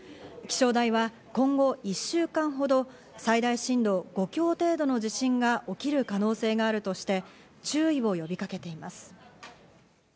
気象台は今後１週間ほど最大震度５強程度の地震が起きる可能性があるとして注意を呼びかけています。